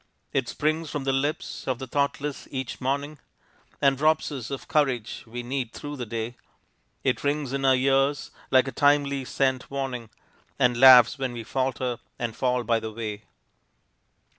It springs from the lips of the thoughtless each morning And robs us of courage we need through the day: It rings in our ears like a timely sent warning And laughs when we falter and fall by the way.